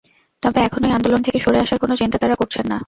তবে এখনই আন্দোলন থেকে সরে আসার কোনো চিন্তা তাঁরা করছেন না।